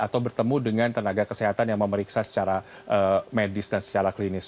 atau bertemu dengan tenaga kesehatan yang memeriksa secara medis dan secara klinis